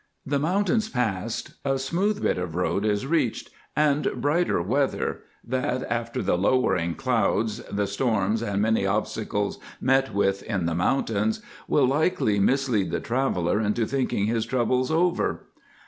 The mountains passed, a smooth bit of road is reached and brighter weather, that, after the lowering clouds, the storms and many obstacles met with in the mountains, will likely mislead the traveller into thinking his troubles over.